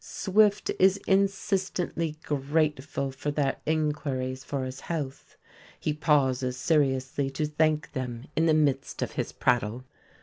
Swift is insistently grateful for their inquiries for his health. He pauses seriously to thank them in the midst of his prattle.